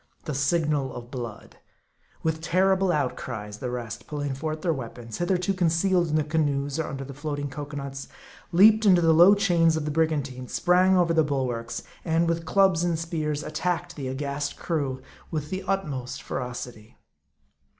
The signal of blood ! With terrible outcries, the rest, pull ing forth their weapons, hitherto concealed in the canoes, or under the floating cocoanuts, leaped into the low chains of the brigantine ; sprang over the bulwarks ; and, with clubs and spears, attacked the aghast crew with the utmost feroc ity.